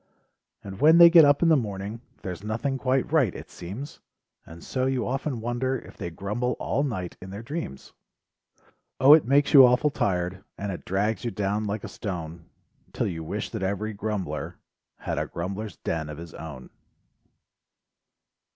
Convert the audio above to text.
And when they get up in the morning There's nothing quite right, it seems, And so you often wonder If they grumble all night in their dreams O, it makes you awful tired And it drags you down like a stone, 'TiT you wish that every grumbler Had a grumblers den of his own.